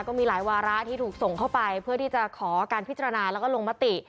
ก็มีหลายวาระที่ถูกส่งเข้าไปเพื่อที่จะขอการพิจารณาแล้วก็ลงมติ